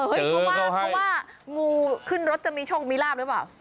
เพราะว่างูขึ้นรถจะมีโชคมีลาบหรือเปล่า